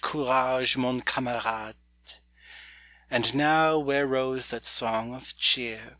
courage, mon camarade! And now where rose that song of cheer.